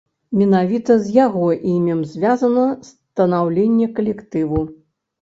Менавіта з яго імем звязана станаўленне калектыву.